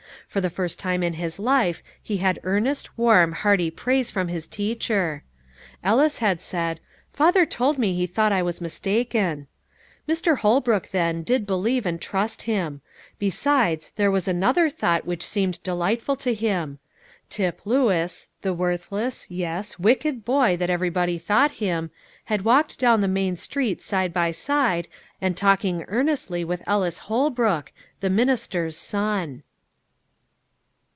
For the first time in his life he had earnest, warm, hearty praise from his teacher. Ellis had said, "Father told me he thought I was mistaken." Mr. Holbrook, then, did believe and trust him. Besides, there was another thought which seemed delightful to him. Tip Lewis, the worthless, yes, wicked boy that everybody thought him, had walked down the main street side by side, and talking earnestly with Ellis Holbrook, the minister's son.